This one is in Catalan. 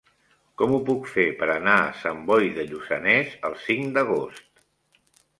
Com ho puc fer per anar a Sant Boi de Lluçanès el cinc d'agost?